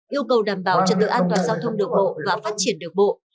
yêu cầu đảm bảo trật tự an toàn giao thông đường bộ và phát triển đường bộ